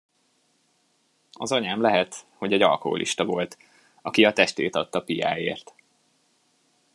Az anyám lehet, hogy egy alkoholista volt, aki a testét adta piáért.